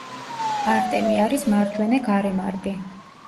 არტემი არის მარჯვენა გარემარბი.